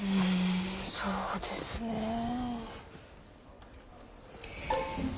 うんそうですねえ。